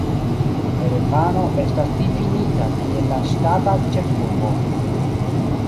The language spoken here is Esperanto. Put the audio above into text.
Erevano estas difinita kiel la ŝtata ĉefurbo.